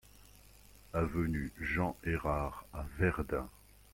Avenue Jean Errard à Verdun